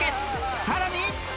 さらに